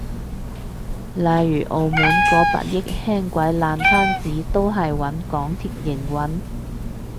例如澳門個百億輕軌爛攤子都係搵港鐵營運？